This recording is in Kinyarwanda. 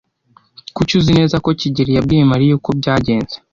Kuki uzi neza ko kigeli yabwiye Mariya uko byagenze?